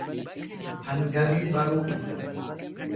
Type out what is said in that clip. Hangamii baruu ibsa.